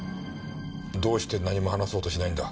どうして何も話そうとしないんだ？